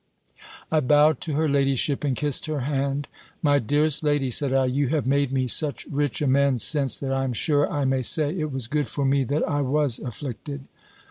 I bowed to her ladyship, and kissed her hand "My dearest lady," said I, "you have made me such rich amends since, that I am sure I may say, '_It was good for me that I was afflicted!